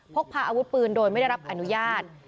พกพาอาวุธปืนโดยไม่ได้รับอนุญาต